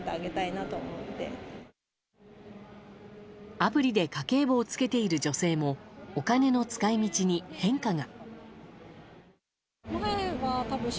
アプリで家計簿をつけている女性もお金の使い道に変化が。